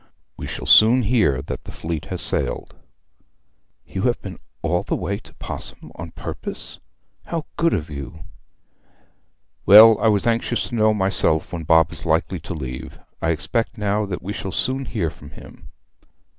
We shall soon hear that the fleet has sailed.' 'You have been all the way to Pos'ham on purpose? How good of you!' 'Well, I was anxious to know myself when Bob is likely to leave. I expect now that we shall soon hear from him.'